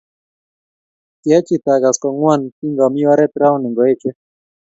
Kyachit agas kongwan kingami oret rauni ngoeche